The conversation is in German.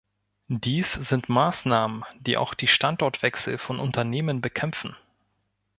Dies sind Maßnahmen, die auch die Standortwechsel von Unternehmen bekämpfen.